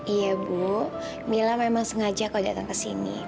iya bu mila memang sengaja kalau datang ke sini